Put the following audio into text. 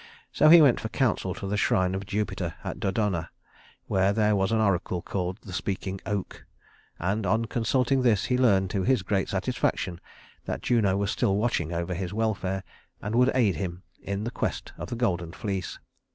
So he went for counsel to the shrine of Jupiter at Dodona, where there was an oracle called the Speaking Oak; and, on consulting this, he learned, to his great satisfaction, that Juno was still watching over his welfare, and would aid him in the quest of the golden fleece.